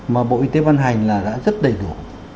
mà bộ y tế văn hành là đã rất đầy đủ